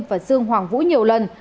và dương hoàng vũ nhiều lần